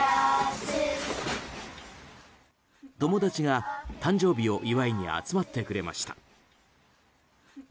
友達が誕生日を祝いに集まってくれました。